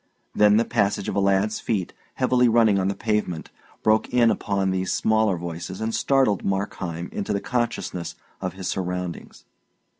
Then the passage of a lad's feet, heavily running on the pavement, broke in upon these smaller voices and startled Markheim into the consciousness of his surroundings.